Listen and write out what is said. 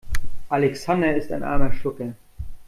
Alexander ist ein armer Schlucker.